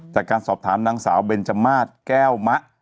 จากการสอบถามนางสาวเบนจมาสแก้วมะ